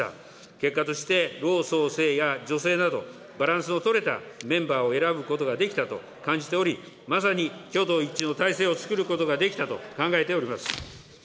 結果として、老壮青や女性など、バランスの取れたメンバーを選ぶことができたと感じており、まさに挙党一致の態勢をつくることができたと考えております。